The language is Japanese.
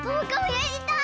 やりたい？